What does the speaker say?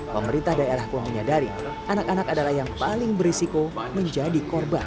pemerintah daerah pun menyadari anak anak adalah yang paling berisiko menjadi korban